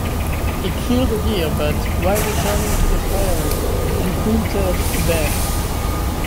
He killed a deer but, while returning to the prairie, encountered a bear.